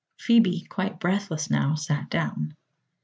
Phoebe, quite breathless now, sat down.